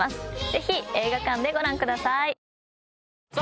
ぜひ映画館でご覧ください。